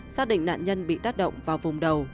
xác định nạn nhân bị tác động vào vùng đầu